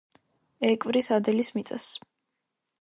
ეკვრის ადელის მიწას.